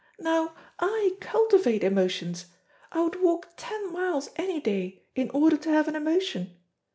Now I cultivate emotions. I would walk ten miles any day in order to have an emotion.